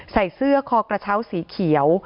ใส่เสื้อคอกระเช้าสีเขียว